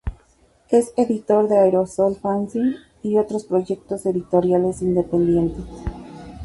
Es editor de Aerosol Fanzine y otros proyectos editoriales independientes.